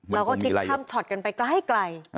เราก็คิดค่ำห่อพูดไปใกล้